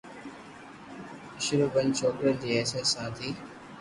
شرو ٻن ڇوڪرن جي حيثيت سان ٿي،